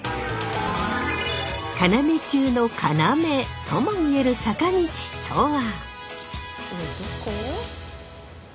要中の要とも言える坂道とは？